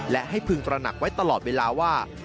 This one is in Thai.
และให้พึงตระหนักไว้ตลอดเวลาว่า